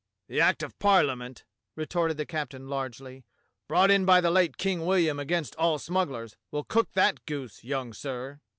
"The Act of Parliament," retorted the captain largely, "brought in by the late King William against all smugglers will cook that goose, young sir."